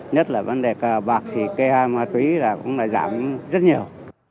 nhất là vấn đề bạc cây two màu tí cũng đã giảm rất nhiều